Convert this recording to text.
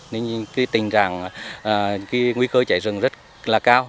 nên cái tình trạng nguy cơ cháy rừng rất là cao